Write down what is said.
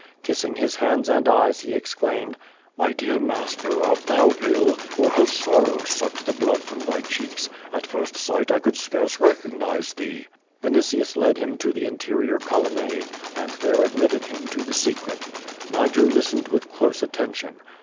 Kissing his hands and eyes, he exclaimed: "l^fy dear master, art thou ill, or has sorrow sucked the blood from thv cheeks? At first sight I could scare recognize thee." QUO VADI8. ^29 Vinitius led him to the interior colonnade, and there ad mitted him to the secret. Niger listened with close attention.